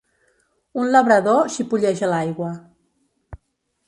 un labrador xipolleja a l'aigua.